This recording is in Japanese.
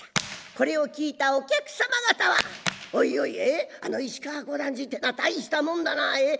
これを聞いたお客様方は「おいおいええあの市川小団次ってえのは大したもんだなええ。